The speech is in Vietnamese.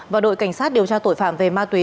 và đội cảnh sát điều tra tội phạm về ma túy